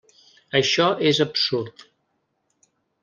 Això és absurd.